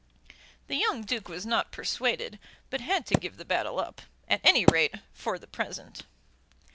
The young Duke was not persuaded, but had to give the battle up, at any rate, for the present.